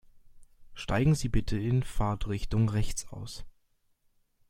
Steigen Sie bitte in Fahrtrichtung rechts aus.